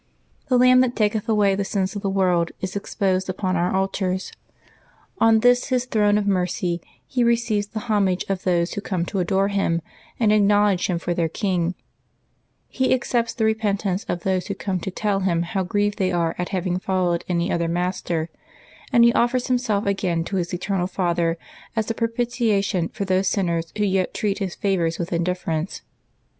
The Lamb that taketh away the sins of the world is exposed upon our al tars. On this His throne of mercy He receives the homage of those who come to adore Him and acknowledge Him for their King; He accepts the repentance of those who come to tell Him how grieved they are at having followed any other master; and He offers Himself again to His Eternal Father as a propitiation for those sinners who yet treat His favors with indifference.